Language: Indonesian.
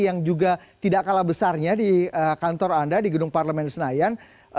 yang juga tidak kalah besarnya di kantor anda di gedung parlemen senayan